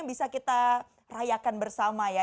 bisa kita rayakan bersama ya